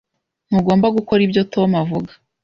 Ntugomba gukora ibyo Tom avuga.